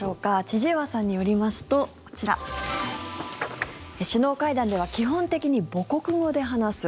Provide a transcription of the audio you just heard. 千々岩さんによりますと、こちら首脳会談では基本的に母国語で話す。